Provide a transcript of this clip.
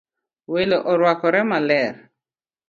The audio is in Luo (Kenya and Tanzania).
Welo orwakore maler